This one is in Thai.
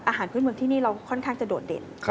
อาหารพื้นเมืองที่นี่เราค่อนข้างจะโดดเด่น